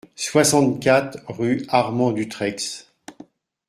soixante-quatre rue Armand Dutreix